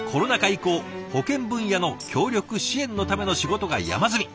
以降保健分野の協力支援のための仕事が山積み。